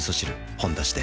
「ほんだし」で